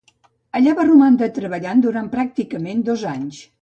Allà va romandre treballant durant pràcticament dos anys.